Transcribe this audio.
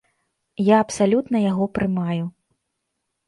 Я абсалютна яго прымаю.